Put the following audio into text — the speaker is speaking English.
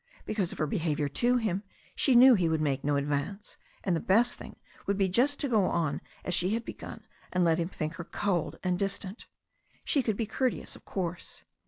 Because of her behaviour to him she knew he would make no advance, and the best thing would be just to go on as she had begun, and let him think her cold and distant. She could be courteous, of course.